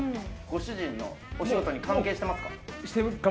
ご主人のお仕事に関係してますか？